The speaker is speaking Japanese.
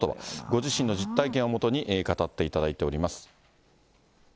ご自身の実体験をもとに、語っていただいております。